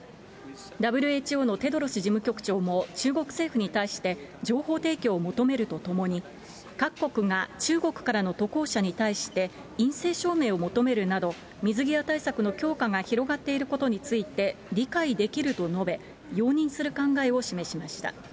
ＷＨＯのテドロス事務局長も中国政府に対して、情報提供を求めるとともに、各国が中国からの渡航者に対して、陰性証明を求めるなど、水際対策の強化が広がっていることについて理解できると述べ、容認する考えを示しました。